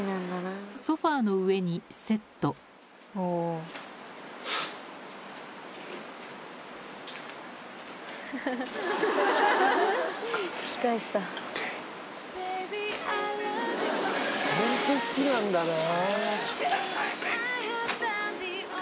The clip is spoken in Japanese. ソファの上にセットホントに好きなんだな。